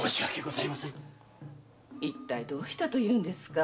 一体どうしたというんですか？